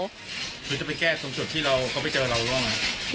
หรือจะไปแก้ตรงส่วนที่เขาไปเจอเราร่วมอ่ะ